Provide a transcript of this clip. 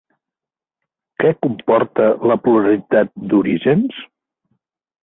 Què comportà la pluralitat d'orígens?